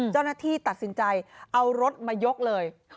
เจ้าหน้าที่ตัดสินใจเอารถมายกเลย